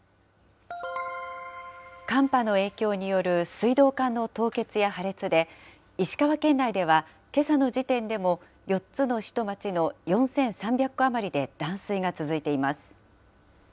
寒波の影響による水道管の凍結や破裂で石川県内ではけさの時点でも４つの市と町の４３００戸余りで断水が続いています。